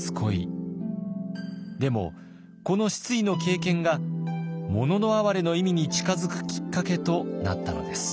でもこの失意の経験が「もののあはれ」の意味に近づくきっかけとなったのです。